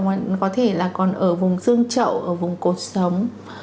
mà có thể là còn ở vùng dương trậu ở vùng cột sống